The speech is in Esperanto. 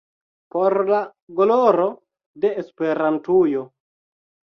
Por la gloro de Esperantujo!